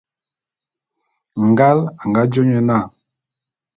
Ngal a nga jô nye na.